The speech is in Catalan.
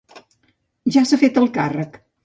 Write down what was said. Ja s'ha fet el càrrec.